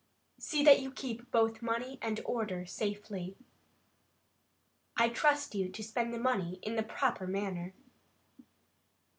See that you keep both money and order safely. I trust to you to spend the money in the proper manner."